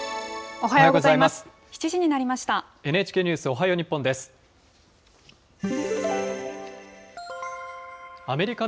おはようございます。